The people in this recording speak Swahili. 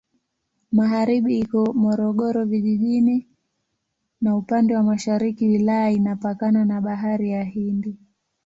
Magharibi iko Morogoro Vijijini na upande wa mashariki wilaya inapakana na Bahari ya Hindi.